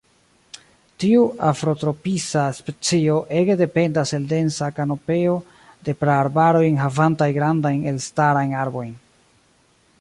Tiu afrotropisa specio ege dependas el densa kanopeo de praarbaroj enhavantaj grandajn elstarajn arbojn.